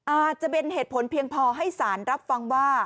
อาจจะเป็นเหตุผลเพียงพอให้สารรับฟังว่า